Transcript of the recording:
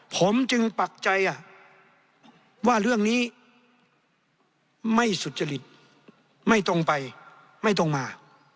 ผมจึงปักใจว่าเรื่องนี้ไม่สุจริตไม่ตรงไปไม่ตรงมา